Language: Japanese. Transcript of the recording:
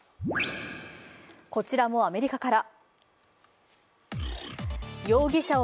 こちらもアメリカから。